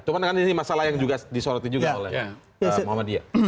cuma ini masalah yang disorotin juga oleh muhammadiyah